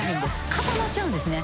固まっちゃうんですね